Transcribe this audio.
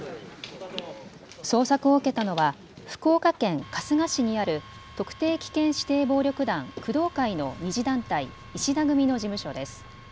捜索を受けたのは福岡県春日市にある特定危険指定暴力団工藤会の２次団体、石田組の事務所です。